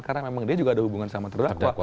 karena memang dia juga ada hubungan dengan terdakwa